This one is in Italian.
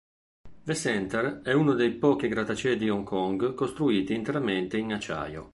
The center è uno dei pochi grattacieli di Hong Kong costruiti interamente in acciaio.